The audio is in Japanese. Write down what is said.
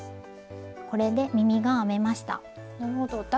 これで耳が編めました。